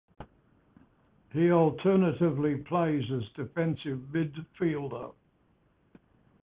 He alternatively plays as defensive midfielder.